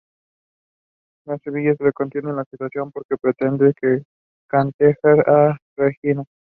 A Cecilia le conviene esta situación porque pretende chantajear a Regina.